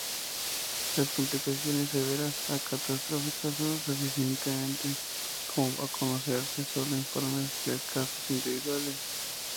Las complicaciones severas a catastróficas son suficientemente como conocerse solo informes de casos individuales.